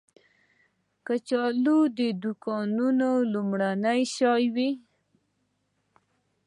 کچالو د دوکانونو لومړنی شی وي